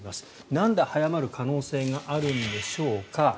なんで早まる可能性があるんでしょうか。